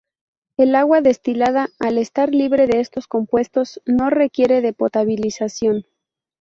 El agua destilada, al estar libre de estos compuestos, no requiere de potabilización.